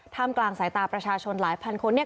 กลางสายตาประชาชนหลายพันคนเนี่ย